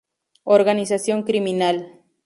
Organización criminal.